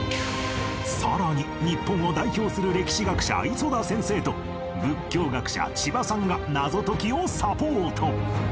さらに日本を代表する歴史学者磯田先生と仏教学者千葉さんが謎解きをサポート